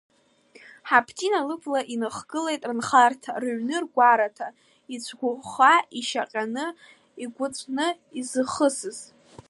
Хаԥҭина лыбла иныхгылеит рынхарҭа, рыҩны-ргәараҭа, ицәӷәыххаа, ишьаҟьаны, иӷәыҵәны изхысыз.